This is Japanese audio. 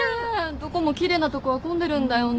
どこも奇麗なとこは混んでるんだよね